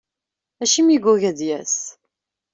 Acimi i yugi ad d-yas?